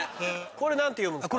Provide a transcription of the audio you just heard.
これ何て読むんですか？